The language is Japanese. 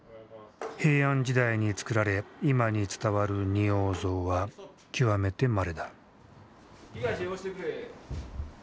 平安時代につくられ今に伝わる仁王像は極めてまれだ。